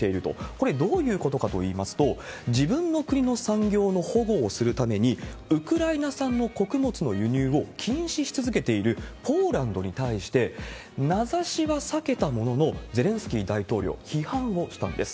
これ、どういうことかといいますと、自分の国の産業の保護をするために、ウクライナ産の穀物の輸入を禁止し続けているポーランドに対して、名指しは避けたものの、ゼレンスキー大統領、批判をしたんです。